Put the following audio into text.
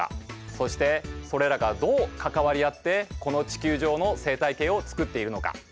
そしてそれらがどう関わり合ってこの地球上の生態系を作っているのか。